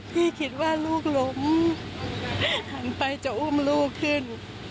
คิดว่าลูกล้มหันไปจะอุ้มลูกขึ้น